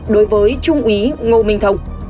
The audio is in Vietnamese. đối với trung úy ngô minh thông